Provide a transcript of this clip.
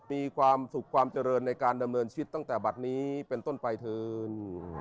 มีความสุขความเจริญในการดำเนินชีวิตตั้งแต่บัตรนี้เป็นต้นไปเถิน